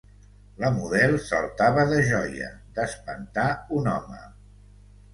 La model saltava de joia, d'espantar un home